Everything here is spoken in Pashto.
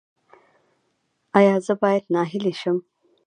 ایا زه باید ناهیلي شم؟